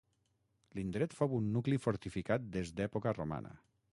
L'indret fou un nucli fortificat des d'època romana.